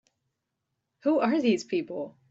Who are these people?